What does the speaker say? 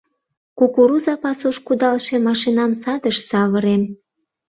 Кукуруза пасуш кудалше машинам садыш савырем.